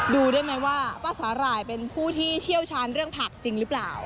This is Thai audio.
ดูได้ไหมว่าป้าสาหร่ายเป็นผู้ที่เชี่ยวชาญเรื่องผักจริงหรือเปล่า